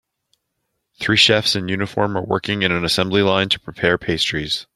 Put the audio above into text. Three chefs in uniform are working in an assembly line to prepare pastries.